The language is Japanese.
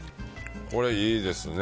これ、いいですね。